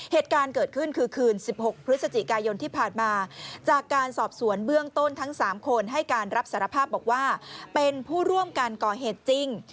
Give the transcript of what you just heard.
เหตุการณ์เกิดขึ้นคือคืน๑๖พฤศจิกายนที่ผ่านมาจากการสอบสวนเบื้องต้นทั้ง๓คนให้การรับสารภาพบอกว่าเป็นผู้ร่วมการก่อเหตุจริง